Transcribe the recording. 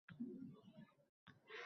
doimo o’zgarib, yangilanib boradi.